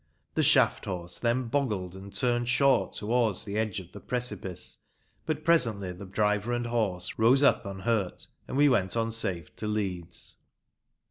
The shaft horse then boggled and turned short toward the edge of the precipice ; but presently the driver and horse rose up unhurt and we went on safe to Leeds.